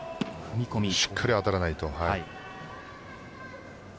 しっかり当たらないと。